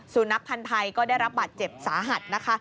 สุนัขพันธ์ไทยก็ได้รับบาดเจ็บสาหัสนะคะ